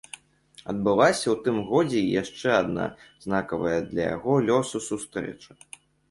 Адбылася ў тым годзе і яшчэ адна знакавая для яго лёсу сустрэча.